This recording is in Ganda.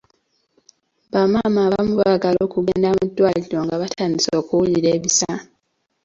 Ba maama abamu baagala okugenda mu ddwaliro nga batandise okuwulira ebisa.